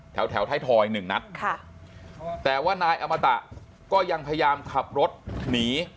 แถวแถวไทยทอยหนึ่งนัดค่ะแต่ว่านายอมตะก็ยังพยายามขับรถหนี